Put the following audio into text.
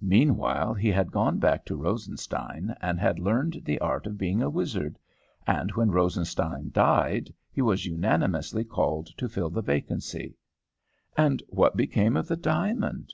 Meanwhile he had gone back to Rosenstein, and had learned the art of being a wizard, and when Rosenstein died he was unanimously called to fill the vacancy." "And what became of the diamond?"